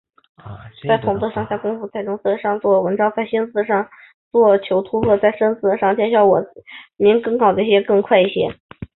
在“统”字上下功夫，在“融”字上做文章，在“新”字上求突破，在“深”字上见实效，把军民融合搞得更好一些、更快一些。